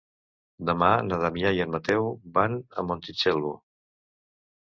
Demà na Damià i en Mateu van a Montitxelvo.